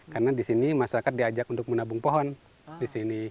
karena di sini masyarakat diajak untuk menabung pohon di sini